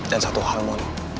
dan satu hal mon